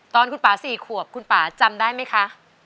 ตอนคุณป่า๔ขวบคุณป่าจำได้ไหมคะ